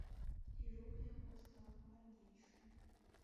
І рух яго стаў павальнейшы.